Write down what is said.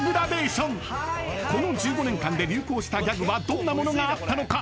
［この１５年間で流行したギャグはどんなものがあったのか？］